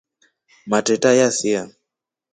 Matreta yasia.